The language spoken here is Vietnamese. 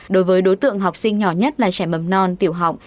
đối với đối tượng học sinh nhỏ nhất là trẻ mầm non tiểu học